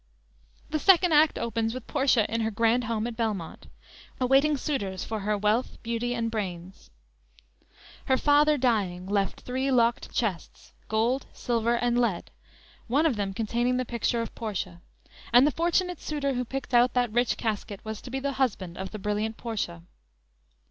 "_ The second act opens with Portia in her grand home at "Belmont," awaiting suitors for her wealth, beauty and brains. Her father dying, left three locked chests, gold, silver, and lead, one of them containing the picture of Portia; and the fortunate suitor who picked out that rich casket, was to be the husband of the brilliant Portia.